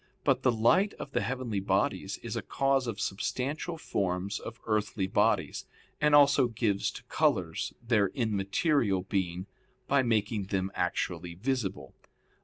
But the light of the heavenly bodies is a cause of substantial forms of earthly bodies, and also gives to colors their immaterial being, by making them actually visible.